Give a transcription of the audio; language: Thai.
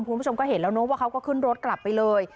คุณผู้ชมก็เห็นแล้วเนอะว่าเขาก็ขึ้นรถกลับไปเลย